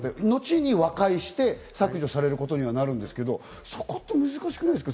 後に和解して削除されることにはなるんですけど、そこって難しくないですか？